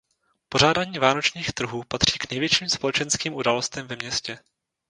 Pořádání vánočních trhů patří k největším společenským událostem ve městě.